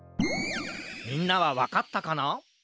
みんなはわかったかな？